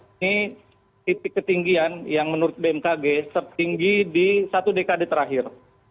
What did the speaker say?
ini titik ketinggian yang menurut bmkg tertinggi di satu dekade terakhir